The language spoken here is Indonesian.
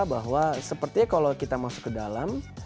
bahwa sepertinya kalau kita masuk ke dalam